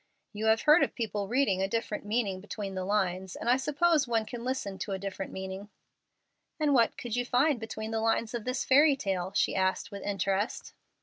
"You have heard of people reading a different meaning between the lines, and I suppose one can listen to a different meaning." "And what could you find between the lines of this fairy tale?" she asked with interest.